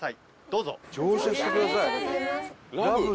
どうぞ。